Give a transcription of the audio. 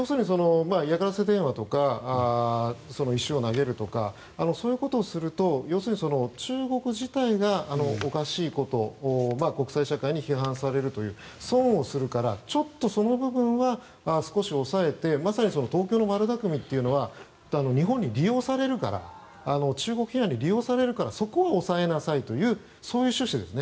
嫌がらせ電話とか石を投げるとかそういうことをすると中国自体がおかしいこと国際社会に批判されると損をするからその分は、少し抑えて「東京の悪だくみ」というのは日本に利用されるから中国批判に利用されるからそこは抑えなさいという趣旨です。